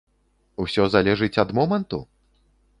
Усё залежыць ад моманту?